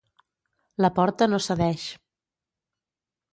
La porta no cedeix.